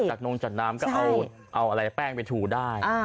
จากนมจากน้ำก็เอาแป้งไปถูได้